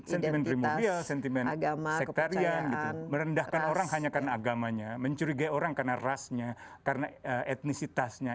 sentimen primorbial sentimen sektarian gitu merendahkan orang hanya karena agamanya mencurigai orang karena rasnya karena etnisitasnya